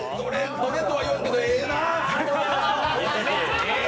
どれとは言わんけどええなあ！